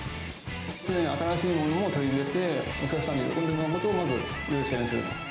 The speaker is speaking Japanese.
常に新しいものを取り入れて、お客さんに喜んでもらうことをまず優先すると。